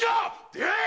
出会え！